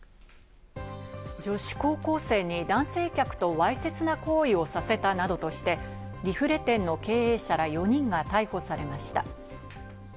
女子高校生に男性客とわいせつな行為をさせたなどとして、リフレ店の経営者ら４人が逮捕されました。